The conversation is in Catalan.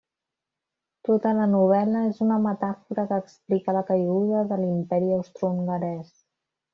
Tota la novel·la és una metàfora que explica la caiguda de l'Imperi Austrohongarès.